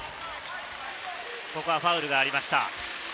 ここはファウルがありました。